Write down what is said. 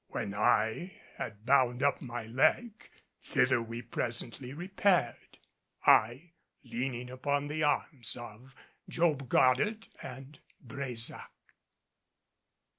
When I had bound up my leg, thither we presently repaired, I leaning upon the arms of Job Goddard and Brésac.